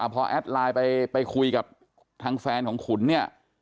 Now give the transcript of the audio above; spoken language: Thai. พอแอดไลน์ไปคุยกับทางแฟนของขุนเนี่ย